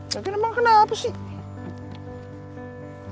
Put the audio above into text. tapi emang kenapa sih